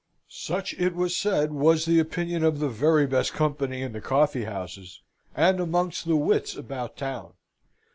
Such, it was said, was the opinion of the very best company, in the coffee houses, and amongst the wits about town.